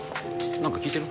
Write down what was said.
何か聞いてる？